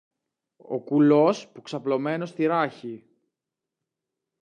Ο κουλός, που ξαπλωμένος στη ράχη